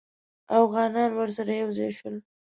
اوغانان ورسره یو ځای شول.